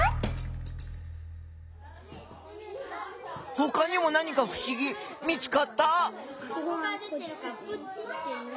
ほかにも何かふしぎ見つかった？